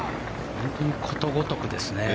本当にことごとくですね。